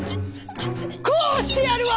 こうしてやるわ！」。